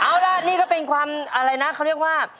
เอาล่ะนี่ก็เป็นความอะไรนะเขาเรียกว่า